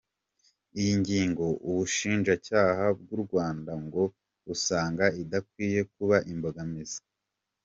Iyi ngingo ubushinjacyaha bw'U Rwanda ngo busanga idakwiye kuba imbogamizi.